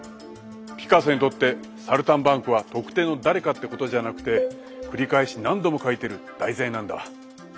ピカソにとってサルタンバンクは特定の誰かってことじゃなくて繰り返し何度も描いてる題材なんだ。